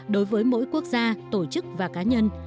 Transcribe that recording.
đối với mỗi quốc gia tổ chức và cá nhân